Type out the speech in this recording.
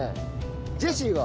ジェシーは？